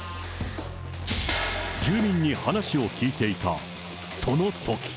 住民に話を聞いていた、そのとき。